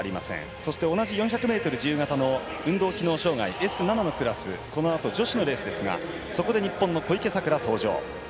そして同じ４００ｍ自由形運動機能障がいのＳ７のクラスでこのあと女子のレースですがそこで日本の小池さくら登場。